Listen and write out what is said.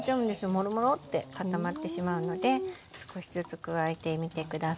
モロモロッて固まってしまうので少しずつ加えてみて下さい。